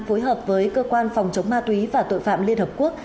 phối hợp với cơ quan phòng chống ma túy và tội phạm liên hợp quốc